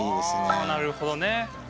あぁなるほどね。